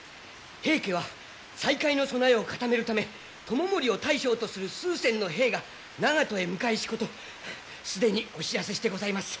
平家は西海の備えを固めるため知盛を大将とする数千の兵が長門へ向かいしこと既にお知らせしてございます。